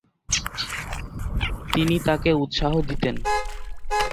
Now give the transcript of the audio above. তিনি তাকে উৎসাহ দিতেন।